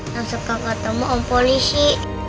langsung kakak ketemu om polisi